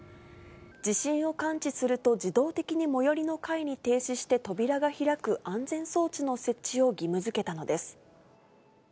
地震を感知すると、自動的に最寄りの階に停止して、扉が開く安全装置の設置を義務づけたのです。